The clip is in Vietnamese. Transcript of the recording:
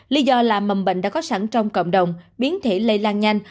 lý do là mầm bệnh đã có sẵn trong cộng đồng biến thể lây lan nhanh